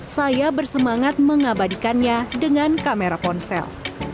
saya bersemangat mengabadikannya dengan kamera ponsel